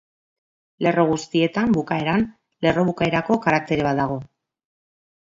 Lerro guztietan bukaeran lerro-bukaerako karaktere bat dago.